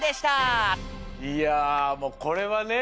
いやもうこれはね